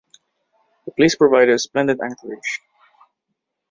The place provided a splendid anchorage.